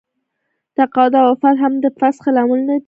تقاعد او وفات هم د فسخې لاملونه دي.